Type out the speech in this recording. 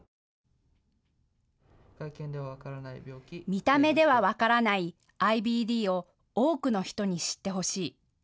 見た目では分からないＩＢＤを多くの人に知ってほしい。